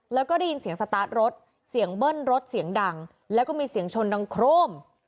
แล้วก็ได้ยินเสียงสตาร์ทรถเสียงเบิ้ลรถเสียงดังแล้วก็มีเสียงชนดังโครม